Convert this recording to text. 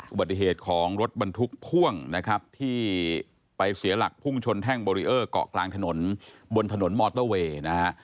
อุบัติเหตุของรถบรรทุกพ่วงนะครับที่ไปเสียหลักพุ่งชนแท่งเบรีเออร์เกาะกลางถนนบนถนนมอเตอร์เวย์นะฮะ